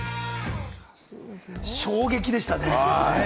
衝撃でしたね。